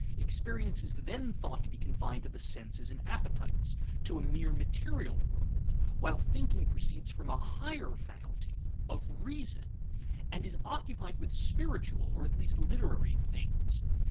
Experience is then thought to be confined to the senses and appetites; to a mere material world, while thinking proceeds from a higher faculty (of reason), and is occupied with spiritual or at least literary things.